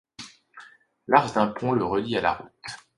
L'arche d'un pont le relie à la route.